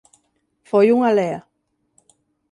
Foi unha lea.